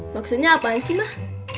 maksudnya apaan sih mah